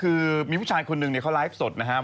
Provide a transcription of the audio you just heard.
เรายิ่งเป็นเยอะกว่าเดิม